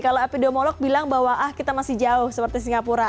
kalau epidemiolog bilang bahwa ah kita masih jauh seperti singapura